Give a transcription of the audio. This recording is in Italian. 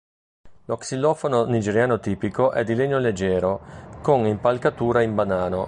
Lo xilofono nigeriano tipico è di legno leggero, con impalcatura in banano.